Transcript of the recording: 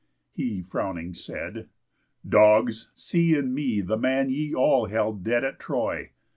He, frowning, said: "Dogs, see in me the man Ye all held dead at Troy.